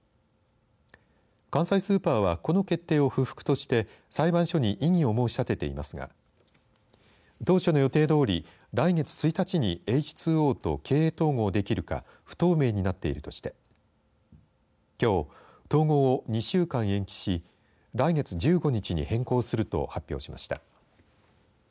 関西スーパーはこの決定を不服として裁判所に異議を申し立てていますが当初の予定どおり来月１日にエイチ・ツー・オーと経営統合できるか不透明になっているとしてきょう、統合を２週間延期し来月１５日に変更すると発表しました。